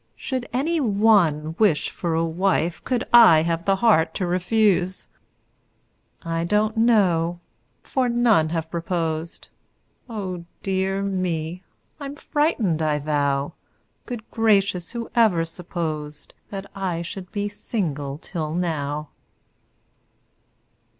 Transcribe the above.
Should any one wish for a wife, Could I have the heart to refuse? I don't know for none have proposed Oh, dear me! I'm frightened, I vow! Good gracious! who ever supposed That I should be single till now?